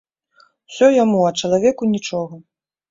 Усё яму, а чалавеку нічога.